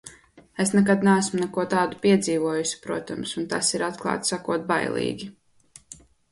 Es nekad neesmu neko tādu piedzīvojusi, protams, un tas ir, atklāti sakot, bailīgi.